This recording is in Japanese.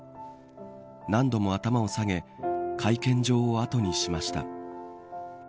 何度も頭を下げ会見場を後にしました。